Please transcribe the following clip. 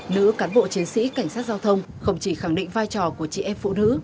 nữ cán bộ chiến sĩ cảnh sát giao thông không chỉ khẳng định vai trò của chị em phụ nữ